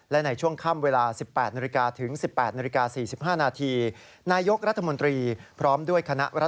และในช่วงค่ำเวลา๑๘นิริกา